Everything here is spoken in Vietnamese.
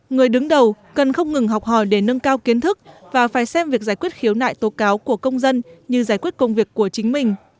người đứng đầu cần không ngừng học hỏi để nâng cao kiến thức và phải xem việc giải quyết khiếu nại tố cáo của công dân như giải quyết công việc của chính mình